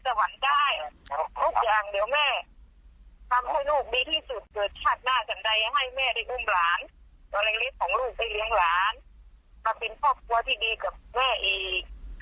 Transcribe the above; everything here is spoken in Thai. ตัวแรงลิสต์ของลูกไปเลี้ยงหลานมาเป็นครอบครัวที่ดีกับแม่อีก